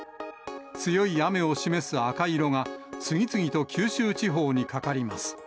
強い雨を示す赤色が、次々と九州地方にかかります。